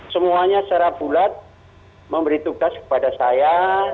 semuanya secara bulat memberi tugas kepada saya